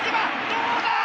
どうだ？